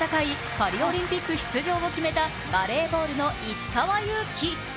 パリオリンピック出場を決めたバレーボールの石川祐希。